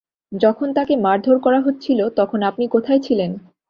যখন তাকে মারধর করা হচ্ছিল তখন আপনি কোথায় ছিলেন?